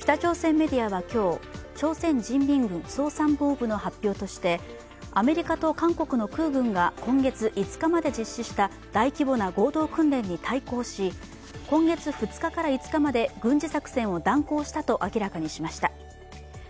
北朝鮮メディアは今日朝鮮人民軍総参謀部の発表としてアメリカと韓国の空軍が今月５日まで実施した大規模な合同訓練に対抗し、今月２日から５日まで軍事作戦を断行したと明らかにしました。